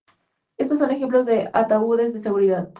Estos son ejemplos de ataúdes de seguridad.